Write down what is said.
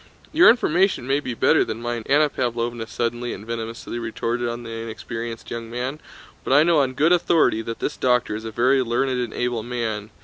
"Your information may be better than mine," Anna Pávlovna suddenly and venomously retorted on the inexperienced young man, "but I know on good authority that this doctor is a very learned and able man.